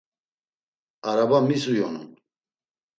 Araba mis uyonun?